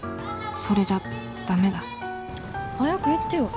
それじゃダメだ早く言ってよ。